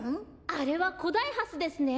あれはコダイハスですね。